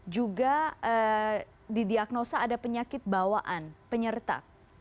juga didiagnosa ada penyakit bawaan penyerta